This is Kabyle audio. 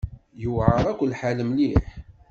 Yewɛer-ak lḥal mliḥ.